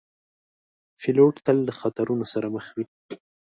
پیلوټ تل له خطرونو سره مخ وي.